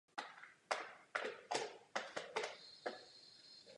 Rovněž v ní leží místo s největší vzdáleností od oceánu v Japonsku.